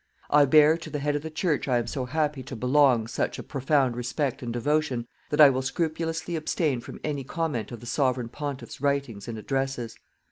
I bear to the Head of the Church I am so happy to belong such a profound respect and devotion that I will scrupulously abstain from any comment of the Sovereign Pontiff's writings and addresses.